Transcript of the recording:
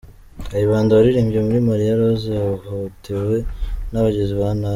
Kayibanda waririmbye muri “Mariya Roza” yahohotewe n’ abagizi ba nabi .